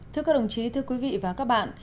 thưa các đồng chí thưa quý vị và các bạn